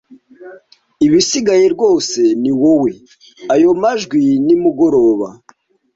Ibisigaye rwose niwowe. Ayo majwi nimugoroba